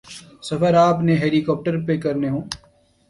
سفر آپ نے ہیلی کاپٹر پہ کرنے ہوں۔